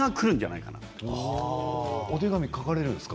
お手紙書かれるんですか。